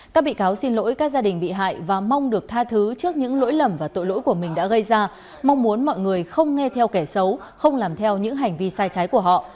các bị cáo xin lỗi các gia đình bị hại và mong được tha thứ trước những lỗi lầm và tội lỗi của mình đã gây ra mong muốn mọi người không nghe theo kẻ xấu không làm theo những hành vi sai trái của họ